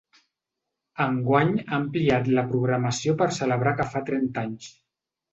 Enguany ha ampliat la programació per celebrar que fa trenta anys.